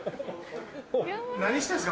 何してんですか？